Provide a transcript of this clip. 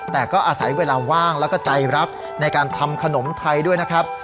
แต่ก็อาศัยเวลาว่างแล้วก็ใจรักในการทำขนมไทยด้วยนะครับ